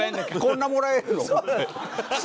こんなもらえるの？って。